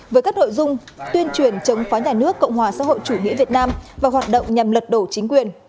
với các nội dung tuyên truyền chống phá nhà nước cộng hòa xã hội chủ nghĩa việt nam và hoạt động nhằm lật đổ chính quyền